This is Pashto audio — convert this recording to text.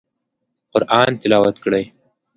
قرآن تلاوت کړئ